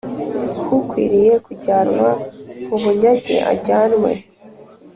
H ukwiriye kujyanwa mu bunyage ajyanwe